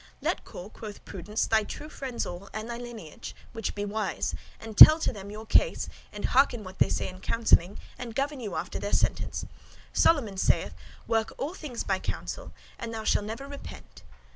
"Let call," quoth Prudence, "thy true friends all, and thy lineage, which be wise, and tell to them your case, and hearken what they say in counselling, and govern you after their sentence [opinion]. Solomon saith, 'Work all things by counsel, and thou shall never repent.